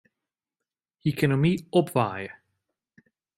Hy kin om my opwaaie.